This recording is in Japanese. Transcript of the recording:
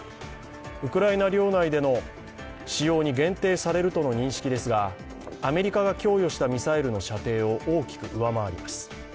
ウクライナ領内での使用に限定されるとの認識ですがアメリカが供与したミサイルの射程を大きく上回ります。